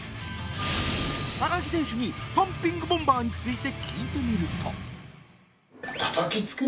鷹木選手にパンピングボンバーについて聞いてみると